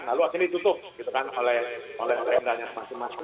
lalu akhirnya ditutup gitu kan oleh tendanya masing masing